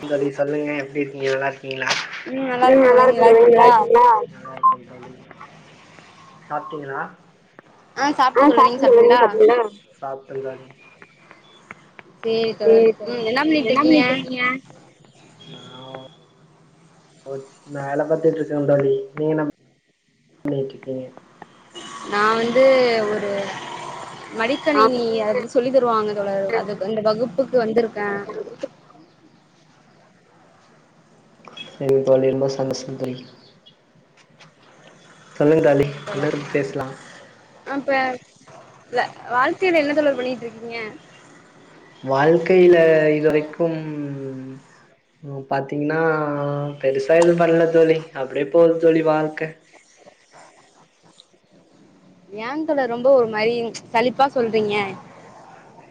இந் தோழி சொல்லுங்க எப்டி இருக்கீங்க நல்லா இருக்கீங்களா ம் நல்லா இருக்கே தோழர் நீங்க நல்லா இருக்கீங்களா நல்லா இருக்கே தோழி சாப்ட்டீங்களா ஆ சாப்ட்டே தோழி நீங்க சாப்டீங்களா சாப்ட தோழி சேரி தோழர் செரி தோழா ம் என்ன நீங்க என்னா பண்ணிட்டு இருக்கீங்க ஓ வேல பாத்துட்ருக்கே தோழி நீங்க என்ன பண்ணிட்ருக்கீங்க நா வந்து ஒரு நா மடிக்கணினி வந்து அதுபிஸ் சொல்லி தருவாங்க தொழர் அது இந்தப் வகுப்புக்கு வந்திருக்கே செரிங்க தோழி ரொம்ப சந்தோஷம் தோழி சொல்லுங்க தோழி செரி என்ன தோழர் டாபிக் பேசலா அப்ப வாழ்க்கில என்ன தோழர் பண்ணிட்டு இருக்கீங்க வாழ்க்கையில இது வரைக்கும் இபோ பாத்தீங்ன்னா பெருசா எது பண்ணல தோழி அப்டியே போவ்து தோழி வாழ்க்க ஏ தொழர் ரொம்ப ஒரு மாரி சளிப்பா சொல்றீங்க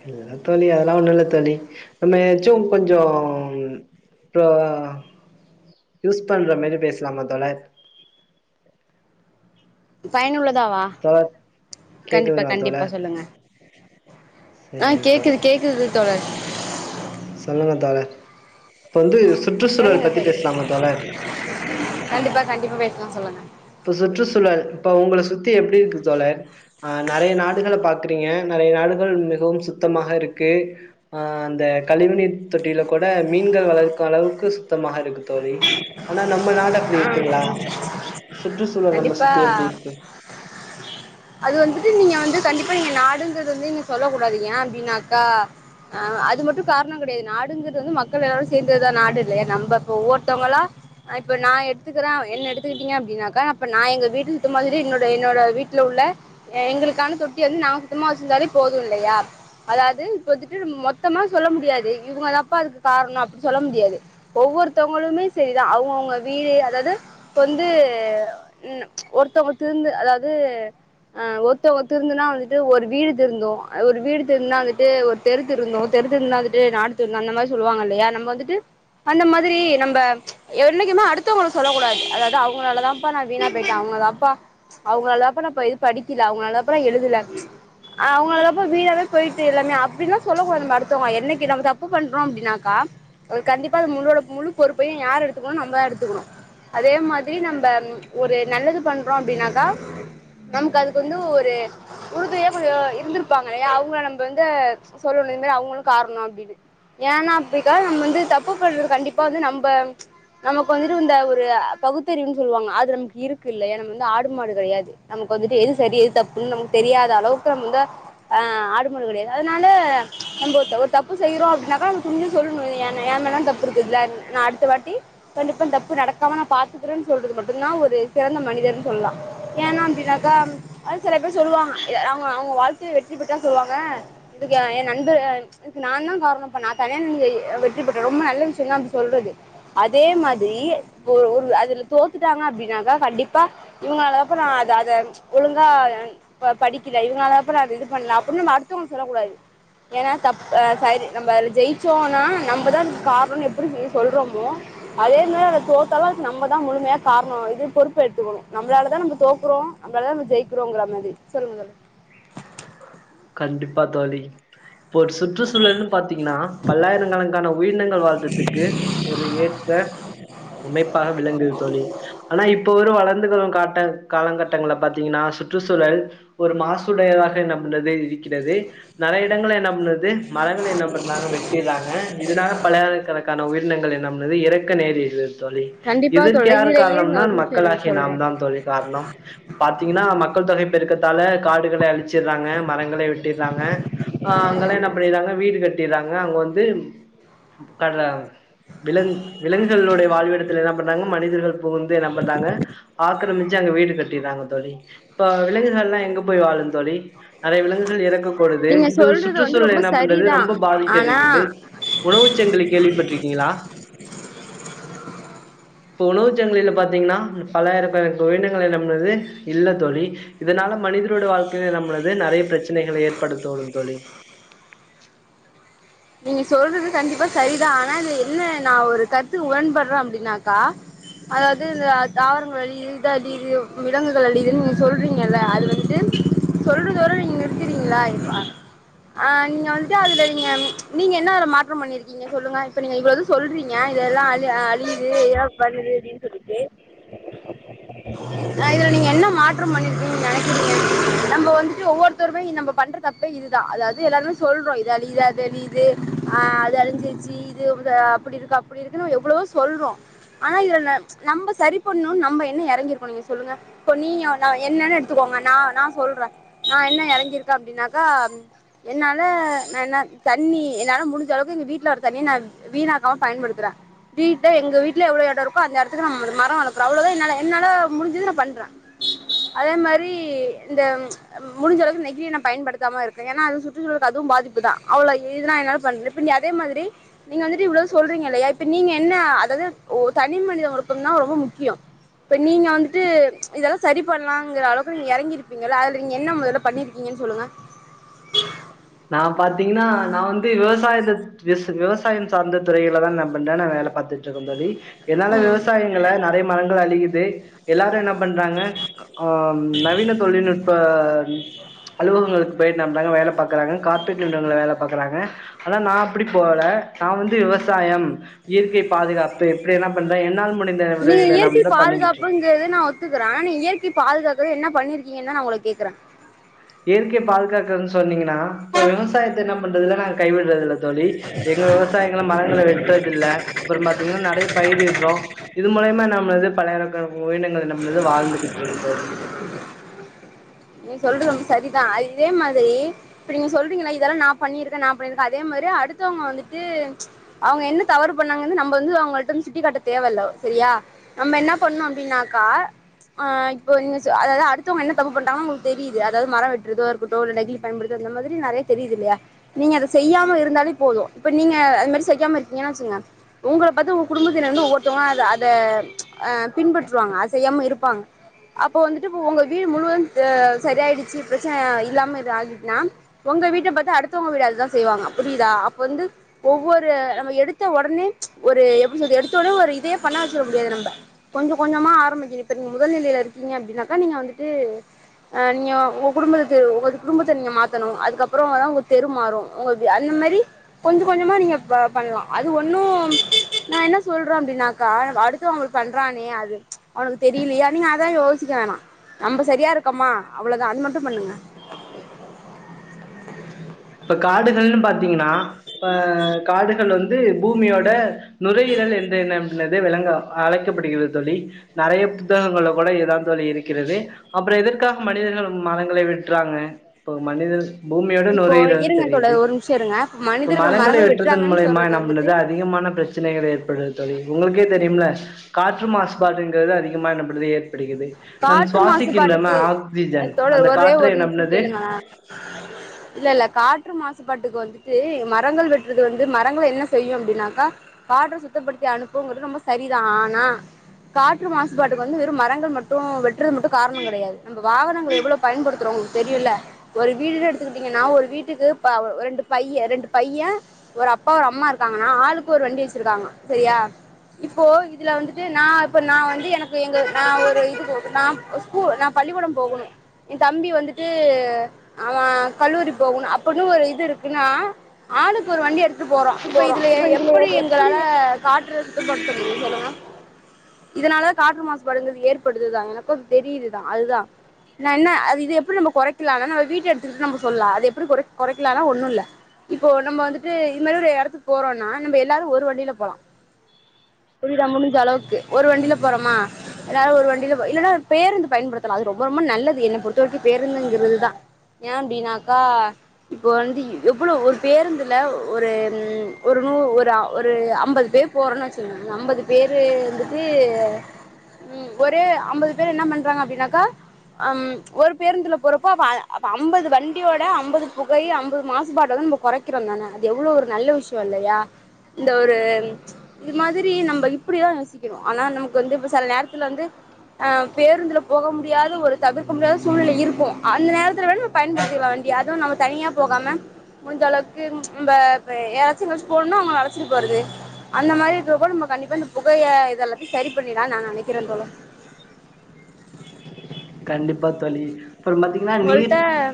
இல்ல தோழி அதெல்லா ஒன்னுல்ல தோழி நம்ம எச்சு கொஞ்சோம் அப்றோ யூஸ் பண்ற மாரி பேசலாமா தோழர் பயனுள்ளதாவா தோழர் கண்டிப்பா கேக்குதுங்களா கண்டிப்பா தோழர் சொல்லுங்க ஆ சரிங்க கேக்குது தோழர் கேக்குது தோழர் சொல்லுங்க தோழர் இப்ப வந்து சுற்றுச்சூழல் சொல்லுங்க பத்தி பேசலாமா சொல்லுங்க தோழர் கண்டிப்பா கண்டிப்பா பேசலா சொல்லுங்க இப்ப சுற்றுச்சூழல் இப்ப உங்கள சுத்தி எப்டி இருக்கு தோழர் ஆ நிறையநாடுகள் பாக்குறீங்க நிறைய நாடுகள் மிகவும் சுத்தமாக இருக்கு அ இந்த கழிவுநீர் தொட்டியில கூட மீன்கள் வளர்க்கு அளவுக்கு சுத்தமாக இருக்கு தோழி ஆனா நம்ம நாடு அப்டி இருக்குங்களா ஆ சுற்றுச்சூழல் நம்ம கண்டிப்பா சுத்தி எப்டி இருக்கு அது வந்துட்டு நீங்க வந்து கண்டிப்பா நீங்க நாடுங்கது வந்துஇங் சொல்ல கூடாது ஏ அப்டின்னாக்கா அது மட் டு காரணோ கிடயாது நாடுங்கிறது வந்து மக்கள் எல்லாரு சேந்ததுதா நாடு இல்லயா நம்ம இப்ப ஒவ்வொர்த்தவ்ங்களா அ இப்ப நா எடுத்துக்கிற என்ன எடுத்துக்கிட்டீங்க அப்டின்னாக்கா அப்ப நா எங்க வீட்டுல இருட்டு மாரி என்னோட என்னோட வீட்டுல உள்ள ஏ எங்குளுக்கான தொட்டி வந்து நாங்க சுத்தமா வச்சிருந்தாலே போது இல்லையா அதாவது இப்ப வந்துட்டு நம் மொத்தமா சொல்ல முடியாது இவங்க தாப்பா அதுக்கு காரணோ அப்டி சொல்ல முடியாது ஒவ்வொருத்தவங்களுமே சேரிதா அவங்கவுங்க வீடு அதாது இப்ப வந்து ம் ஒருத்தொங்க திருந்து அதாது அ ஒருத்தவங்க திருந்துனா வந்துட்டு ஒரு வீடு திருந்து அ ஒரு வீடு திருந்துனா வந்துட்டு ஒரு தெரு திருந்து தெரு திருந்துனா வந்துட்டு நாடு திருந்து அந்த மாரி சொல்லுவாங்க இல்லையா நம்ம வந்துட்டு அந்த மாதிரி நம்ப என்னைக்குமே அடுத்தவங்கள சொல்ல கூடாது அதாது அவங்களால தாப்பா நா வீணா போயிட்டே அவங்க தாப்பா அவங்களால தாப்பா இப்ப இது படிக்கில அவங்களால தாப்பா நா எழுதுல அவுங்களால தாப்பா வீணாவே போயிருச்சு எல்லாமே அப்டிலா சொல்ல கூடாது மேட [unintelligible] என்னைக்கு நம்ம தப்பு பண்றோ அப்டின்னாக்கா ஒரு கண்டிப்பா அந்த முழோட முழு பொறுப்பயு யாரு எடுத்துக்கணு நம்ம தா எடுத்துக்குணு அதே மாதிரி நம்ப ஒரு நல்லது பண்றோ அப்டினாக்கா நமக்கு அதுக்கு வந்து ஒரு உறுதுனையா [unintelligible] இருந்துருப்பாங்க இல்லையா அவுங்கள நம்ம வந்து சொல்ணு இது மாரி அவுங்களு காரணோ அப்டினு ஏனா அப்பிக்கா நம்ம வந்து தப்பு பண்றது கண்டிப்பா வந்து நம்ப நமக்கு வந்துட்டு இந்த ஒரு பகுத்தறிவுன்னு சொல்லுவாங்க அது நமக்கு இருக்கு இல்லயா நம்ம வந்து ஆடு மாடு கெடையாது நமக்கு வந்துட்டு எது சரி எது தப்புன்னு நமக் தெரியாத அளவுக்கு நம் வந்து ஆ ஆடு மாடு கெடையாது அதனால நம்ப ஒரு தப்பு செய்றோ அப்டினாக்கா நம்ம துணிஞ்சு சொல்ணு ஏன் மேல தா தப்பு இருக்கு இதுல நா அடுத்த வாட்டி கண்டிப்பா தப்பு நடக்காம நா பாத்துக்குறன் சொல்றது மட்டுந்தா ஒரு சிறந்த மனிதன்னு சொல்லா ஏனா அப்டின்னாக்கா அது சில பேர் சொல்லுவாங்க அவுங்க அவுங்க வாழ்க்கைல வெற்றி பெற்றான் சொல்வாங்க இதுக்குலா ஏ [unintelligible] இதுக்கு நா தா காரணம் ப்பா நா தனியா நின்னு வெற்றி பெற்றே ரொம்ப நல்ல விஷ்யந்தான் அப்டி சொல்றது அதே மாதிரி ஒரு அதுல தோத்துட்டாங்க அப்டினாக்கா கண்டிப்பா இவுங்களால தாப்ப நா அத அத ஒழுங்கா ப படிக்கில இவுங்களால தாப்பா நா அத இது பண்ல அப்டினு நம்ம அடுத்தவங்ல சொல்லக் கூடாது ஏனா தப் ஆ சரி நம்ப அது ஜெயிச்சோன்னா நம்ப தா கார்ணோ எப்டி [inaudible] சொல்றோமோ அதே மாரி அத தோத்தாலு அதுக் நம்மதா முழுமையா கார்ணோ இது பொறுப்பேத்துக்கணு நம்ளாலதா நம்ம தோக்குறோ நம்ளாதா நம்ப ஜெயிக்கிறோங்ற மாரி சொல்லுங்க தோழி கண்டிப்பா தோழி இப்போ ஒரு சுற்றுச்சூழல்னு பாத்தீங்கனா பல்லாயிரங்கணக்கான உயிரினங்கள் வாழ்றத்துக்கு ஒரு ஏற்ற அமைப்பாக விளங்குது தோழி ஆனா இப்ப வரு வளர்ந்து வரு காட்ட காலங்கட்டங்கள பாத்தீங்கனா சுற்றுச்சூழல் ஒரு மாசுடையதாக என்ன பண்றது இருக்கிறது நறைய இடங்கள் என்ன பண்றது மரங்கள் என்ன பண்றாங்க வெட்டிறாங்க இதனால பலாயிரக்கணக்கான உயிர் இனங்கள் என்ன பண்ணது எறக்க நேரிடு தோழி கண்டிப்பா இதற்கு தோழி யாரு இதுல இருங்க காரணம்னா ஒரு நிமிஷோ இருங்க மக்களாகிய சொல்றே நாம் தா தோழி காரணம் பாத்தீங்கனா மக்கள் தொகை பெருக்கத்தால காடுகள அழிச்சிர்றாங்க மரங்களை வெட்டிர்றாங்க ஆ அங்கெலா என்ன பண்ணிர்றாங்க வீடு கட்டிர்றாங்க அங்க வந்து அதா விலங் விலங்குகளுடைய வாழ்விடத்துல என்ன பண்றாங்க மனிதர்கள் இப்ப வந்து என்ன பண்றாங்க ஆக்கரமிச்சு சு அங்க வீடு கட்டிர்றாங்க தோழி இப்ப விலங்குகள்லா எங்க போய் வாழு தோழி நறைய விலங்குகள் இறக்க கூடுது நீங்க இது சொல்றது வந்து சுற்றுச்சூழல் ரொம்ப என்ன பண்றது சரிதா ரொம்ப ஆனா பாதிக்கருக்குது உணவு சங்கிலி கேள்விப்பட்ருக்கீங்களா இப்போ உணவு சங்கிலில பாத்திங்கனா பலாயிரகண உயிரினங்கள் என்ன பண்ணுது இல்ல தோழி இதனால மனிதரோட வாழ்க்கையில நம்மளது நறைய பிரச்சனைகள ஏற்படுத்தும் தோழி நீங்க சொல்றது கண்டிப்பா சரிதா ஆனா இது என்ன நா ஒரு கருத்து உடன்படற அப்டினாக்கா அதாவது இந்த தாவரங்கள் அழிது இது அழிது விலங்குகள் அழிதுனு நீங்க சொல்றீங்கல அது வந்துட்டு சொல்றதோடு நீங்க நிறுத்துறீங்ளா இப்ப ஆ நீங்க வந்துட்டு அதுல நீங்க நீங்க என்ன அதுல மாற்றம் பண்ணிருக்கீ ங்க சொல்லுங்க இப்ப நீங்க இவ்ளோ இது சொல்றீங்க இதெலா அழி அழியுது இதலா பண்ணுது அப்டின் சொல்லிட்டு [inaudible] ஆ இதுல நீங்க என்ன மாற்றம் பண்ணிருக்கீங்கன் நெனைக்கிறீங்க நம்ப வந்துட்டு ஒவ்வொருத்தருமே இ நம்ம பண்ற தப் பே இதுதா அதாது எல்லாருமே சொல்றோ இத அழிது அத அழி து அ அது அழிஞ்சிருச்சி இது பத அப்புடி இருக்கு அப்புடி இருக்குன்னு எவ்ளவோ சொல்றோ ஆனா இதுல ந நம்ம சரி பண்ணுன்னு நம்ம என்ன எறங்கிருக்கோ நீங்க சொல்லுங்க இப்போ நீங்க நா என்னனு எடுத்துக்கோங்க நா நா சொல்றே நா என்ன எறங்கிருக்கே அப்டினாக்கா என்னால நா என்ன த ண்ணி என்னால முடிஞ்ச அளவுக்கு எங்க வீட்ல வர தண்ணிய நா வீணாக்காம பயன்படுத்துற வீட்ல எங்க வீட்ல எவ்ளோ எடோ இருக்கோ அந்த எடத்துக்கு நம் மரோ வளக்குற அவ்ளோதா என்னால என்னால முடிஞ்சத நா பண்ற அதே மாரி இந்த ப்ச் முடிஞ்சளவுக்கு நெகிழிய நா பயன்படுத்தாம இருக்கே ஏனா அது சுற்றுச்சூழலக்கு அதும் பாதிப்பு தா அவ்ளோ இதுதா என்னால பண் இப்ப நீ அதே மாதிரி நீங்க வந்துட்டு இவ்ளோ சொல்றீங்க இல்லையா இப்ப நீங்க என்ன அதாது ஒ தனி மனித ஒழுக்கம் தா ரொம்ப முக்கியம் இப்ப நீங்க வந்துட்டு இதல்லா சரி பண்லாங்குற அளவுக்கு நீங்க எறங்கிருப்பீங்கல அதுல நீங்க என்ன மொதல்ல பண்ணிருக் கீங்கன் சொல்லுங்க நா பாத்தீங்கன்னா நா வந்து விவசாயத்த எஸ் விவசாயம் சார்ந்த துறையில தா நா பண்ற நா வேல பாத் துட்ருக்கம் தோழி என்னால ம் விவசாயங்கள நெறைய மரங்கள் அழியுது எல்லாரு என்ன பண்றாங்க ஆ ம் நவீன தொழில்நுட்ப அலுவகங்களுக்கு போயிட்டு நம்பாளு வேல பாக்கறாங்க கார்பரேட் நிருவனங்கள்ள வேல பாக்கறாங்க ஆனா நா அப்பிடி போல நா வந்து விவசாயம் இயற்கை பாதுகாப்பு இப்டி என்னா பண்றே என்னால முடிந்த உதவிகளாம்தா பண்ணிக்கிட்ருக் இது வந்து நா ஒத்துக்கறே ஆனா இயற்கை பாதுகாக்க என்ன பண்ணிருக்கீங்கன் தா நா உங்கள கேக்கற இயற்கை பாதுகாக்கன் சொன்னீங்கன்னா இப்ப விவசாயத்த என்னாப் பண்றதுல்ல நாங் கைவிடுறதில்ல தோழி எங்க விவசாயங்கள்ள மரங்கள வெட்றதுல்ல அப்புறம் பாத்தீங்கன்னா நறைய பயிரிட்றோ இது மூலையமா நம்மளது பல உயிரினங்கள் நம்மளது வாழ்ந்துகிட்ருக்கு தோழி நீங்க சொல்றது ரொம்ப சரிதா அது இதே மாதிரி இப்ப நீங்க சொல்றீங்கல இதெல்லா நா பண்ணிருக்கே நா பண்ணிருக்கே அதே மாதிரி அடுத்தவங்க வந்துட்டு ப்ச் அவங்க என்ன தவறு பண்ணாங்கன்னு நம்ம வந்து அவங்கள்ட்ட வந்து சுட்டிக்காட்ட தேவல்ல சரியா நம்ம என்ன பண்ணு அப்டின்னாக்கா ஆ இப்ப நீங்க சொ அதாது அடுத்தவங்க என்ன தப்பு பண்றாங்க உங்குளு தெரியுது அதாது மரோ வெட்றதோ இருக்கட்டு இல்ல நெகிழி பயன்படுத்படுத்றது இந்த மாதிரி நறைய தெரியிது இல்லையா நீங்க அத செய்யாம இருந்தாலே போது இப்ப நீங்க அது மாரி செய்யாம இருப்பீங்கன் வெச்சுங்க உங்கள பாத்து உங்க குடும்பத்தினர் வந்து ஒவ்வொருத்தவங்க அத அத ப்ச் அ பின்பற்றுவாங்க அத செய்யாம இருப்பாங்க அப்போ வந்துட்டு இப்ப உங்க வீடு முழுவதும் ஆ சரியாயிடுச்சி பிரச்சன இல்லாம இது ஆகிட்டுன்னா ஒங்க வீட்ட பாத்து அடுத்தவங்க வீடு அதுதா செய்வாங்க புரியுதா அப்ப வந்து ஒவ்வொரு நம்ம எடுத்த ஒடனே ப்ச் ஒரு எப்டி சொல்றது எடுத்த ஒடனே ஒரு இதையே பண்ணாதா சொல்ல முடியாது நம்ப கொஞ்ச கொஞ்சமா ஆரம்பிக்கனு இப்ப நீங்க முதல் நிலைல இருக்கீங்க அப்டின்னாக்கா நீங்க வந்துட்டு அ நீங்க உங்க குடும்பத்த தெரு உங்க குடும்பத்த நீங்க மாத்தணு அதுக்கப்பறோமாதா உங்க தெரு மாறும் உங்க அந்த மாரி கொஞ்ச கொஞ்சமா நீங பண்லா அது ஒண்ணு நா என்ன சொல்றே அப்டின்னாக்கா அடுத் த்தவங்க பண்றானே அது அவனுக்கு தெரியிலையே நீங்க அதான் யோசிக்க வேணா நம்ப செரியா இரு கமா அவ்ளோதா அது மட்டு பண்ணுங்க இப்ப காடுகள்னு பாத்தீங்கன்னா இப்ப காடுகள் வந்து வந்து பூமியோட நுரையீரல் என்று என்பது விளங்க அழைக்கப்படுகிறது தோழி நெறய புத்தகங்கல்ல கூட இதுதா தோழி இருக்கிறது அப்ற எதற்காக மனிதர்கள் மரங்களை வெட்றாங்க இப்ப மனிதர் பூமியோட இப்போ நுரையீ ரல்னு இருங்க தெரியுது தோழர் ஒரு நிமிஷோ இருங்க இப்போ மனிதர்கள் மரங்களை மரங்கள் வெட்றதன் வெட்டுறாங்கன்னு மூலியமா சொல்றது வந்துட்டு நம்மளுக்கு அதிகமான பிரச்ச சனைகள் ஏற்படுது தோழி உங்ளுக்கே தெரியும்ல காற்று மாசுபாடுங்கறது அதிகமா நம் து ஏற்படுகிறது நம் காற்று சுவாசிக்கின்றன மாசுபாட்டுக்கு ஆக்சிஜன் அந்த தோழர் ஒரே காற்ற ஒரு என்ன நிமிஷோ பண்ணுது [inaudible] இல்ல இல்ல காற்று மாசுபாட்டுக்கு வந்துட்டு மரங்கள் வெட்டுறது வந்து மரங்க என்ன செய்யு அப்டின்னாக்கா காற்று சுத்தப்படுத்தி அனுப்புங்கிறது ரொம்ப சரிதா ஆனா காற்று மாசுபாட்டுக்கு வந்து மரங்கள் மட்டு வெட்டுறது மட்டு காரணம் கெடையாது நம்ம வாகனங்கள் எவ்ளோ பயன்படுத்துறோ உங்களுக்கு தெரியுல ஒரு வீடுன்னு எடுத்துக்கிட்டீங்ன்னா ஒரு வீட்டுக்கு ஒரு ரெண்டு பை ரெண்டு பைய ஒரு அப்பா ஒரு அம்மா இருக்காங்கன்னா ஆளுக்கு ஒரு வண்டி வச்சிருக்காங்க செரியா இப்போ இதுல வந்துட்டு நா இப்ப நா வந்து எனக்கு எங்க நா ஒரு இது போகு நா ஸ்கூல் நா பள்ளிக்கூட போகணு ஏ தம்பி வந்துட்டு அவ கல்லூரி போனு அப்டினு ஒரு இது இருக்குன்னா ஆளுக்கு ஒரு வண்டி எடுத்துட்டு போறோ இப்ப இதுல எப்படி எங்களால காற்று சுத்த படுத்த முடியு சொல்லுங்க இதனால காற்று மாசு படுவது ஏற்படுதுதா எனக்கு தெரியுதுதா அதுதா நா என்ன அது இது எப்படி நம்ம குறைக்கலானா நம்ப வீட்டு எடுத்துக்கிட்டு நம்ம சொல்லா அது எப்படி குறை குறைக்கலானா ஒண்ணு இல்ல இப்போ நம்ம வந்துட்டு இது மாதிரி ஒரு எடத்துக்கு போறோனா நம்ம எல்லாரு ஒரு வண்டில போலா புரிதா முடிஞ்ச அளவுக்கு ஒரு வண்டில போறோமா எல்லாரு ஒரு வண்டில போலா இல்லன்னா பேருந்து பயன்படுத்தலா அது ரொம்ப ரொம்ப நல்லது என்ன பொறுத்த வரைக்கு பேருந்துங்கிறதுதா ஏ அப்டின்னாக்கா இப்போ வந்து எவ்ளோ ஒரு பேருந்துல ஒரு ம் ஒரு நூ ஒரு ஒரு அம்பது பேர் போறோன்னு வச்சுகோங்க அம்பது பேர் வந்துட்டு ம் ஒரு அம்பது பேர் என்ன பண்றாங்க அப்டின்னாக்கா அம் ஒரு பேருந்துல போறப்போ அம்பது வண்டியோட அம்பது புகை அம்பது மாசுபாடுதா குறைக்கிறோ தான அது எவ்ளோ ஒரு நல்ல விஷய இல்லயா இந்த ஒரு இது மாதிரி நம்ம இப்படிதா யோசிக்கணு ஆனா நமக்கு வந்து இப்ப சில நேரத்துல வந்து ஆ பேருந்துல போக முடியாத ஒரு தவிர்க்க முடியாத சூழ்நிலை இருக்கு அந்த நேரத்துல வேணுனா பயன்படுத்திக்கலா வண்டிய அதுவு நம்ம தனியா போகாம முடிஞ்ச அளவுக்கு நம்ப யாராச்சு எங்கயாச்சு போணுனா அவங்கள அழச்சிட்டு போறது அந்த மாரி இருக்க கூட நம்ம கண்டிப்பா இந்த புகைய இது எல்லாத்தையு சரி பண்ணிடாலானு நா நெனைக்கிற தோழர் கண்டிப்பா தோழி அப்றோ பாத்தீங்கன்னா நீர் ஆ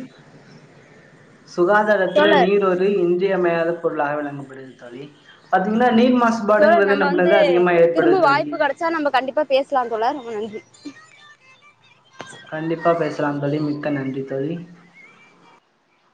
சுகாதாரத்துல நீர் ஒரு இன்றியமையாத பொருளாக விளங்கப்படுது தோழி பாத்தீங்ன்னா நீர் தோழர் மாசுபாடுங்கிறது நம்பளால அதிகமா ஏற்படுது தோழி சோ நம்ம கண்டிப்பா பேசலா தோழர் ரொம்ப நன்றி கண்டிப்பா பேசலா தோழி மிக்க நன்றி தோழி